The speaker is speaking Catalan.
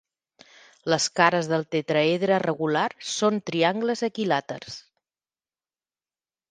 Les cares del tetraedre regular són triangles equilàters.